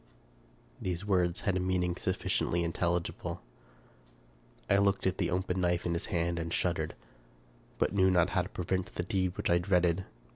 These words had a meaning sufficiently intelligible. I looked at the open knife in his hand and shuddered, but knew not how to prevent the deed which I dreaded.